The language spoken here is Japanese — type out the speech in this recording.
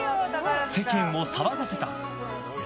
世間を騒がせた。